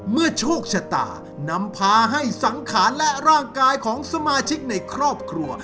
โชคชะตานำพาให้สังขารและร่างกายของสมาชิกในครอบครัว